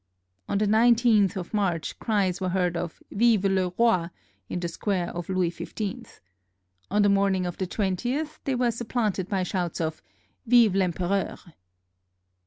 [On the 19th of March cries were heard of " Vive le Rot! " in the square of Louis XV. On the morning of the 20th they were supplanted by shouts of " Vive VEmpereur